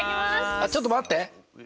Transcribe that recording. あっちょっと待って！